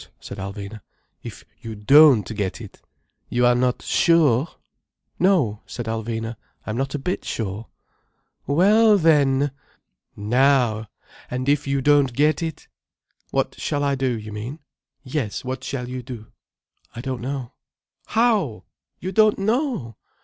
said Alvina. "If you don't get it—! You are not sure?" "No," said Alvina. "I am not a bit sure." "Well then—! Now! And if you don't get it—?" "What shall I do, you mean?" "Yes, what shall you do?" "I don't know." "How! you don't know!